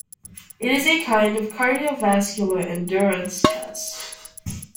It is a kind of cardiovascular endurance test.